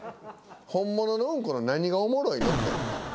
本物のうんこの何がおもろいのって。